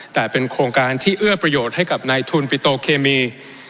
แต่เป็นโครงการที่เอื้อประโยชน์ให้กับนายทุนปิโตเคมี